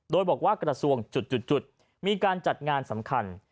โดยบอกว่ากระทรวงจุดมีการจัดงานสำคัญ